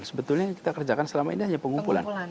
sebetulnya yang kita kerjakan selama ini hanya pengumpulan